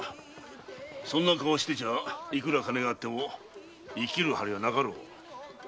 そんな顔してちゃいくら金があっても生きる張りがなかろう。